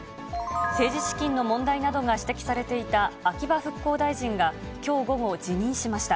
政治資金の問題などが指摘されていた秋葉復興大臣が、きょう午後、辞任しました。